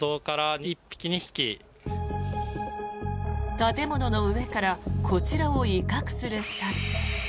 建物の上からこちらを威嚇する猿。